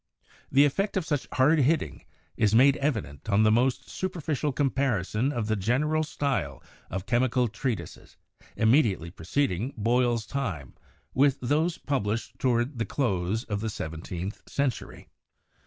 The effect of such hard hitting is made evident on the most superficial com parison of the general style of chemical treatises imme diately preceding Boyle's time with those published toward the close of the seventeenth century."